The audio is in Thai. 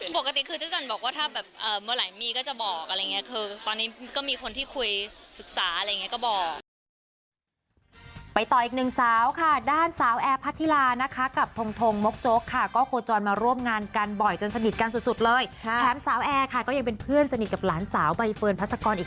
ปกติคือเจ้าจันบอกว่าถ้าเมื่อไหร่มีก็จะบอกอะไรอย่างนี้